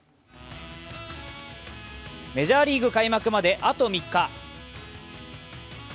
メジャーリーグ開幕まであと３日。